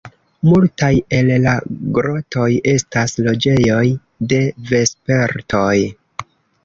Multaj el la grotoj estas loĝejoj de vespertoj.